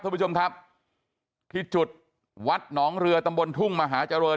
คุณผู้ชมครับที่จุดวัดหนองเรือตำบลทุ่งมหาเจริญ